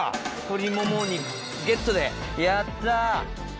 鶏モモ肉ゲットでやった。